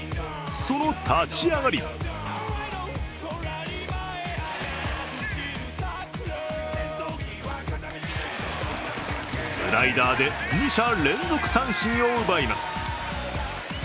その立ち上がりスライダーで二者連続三振を奪います。